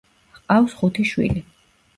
ჰყავს ხუთი შვილი.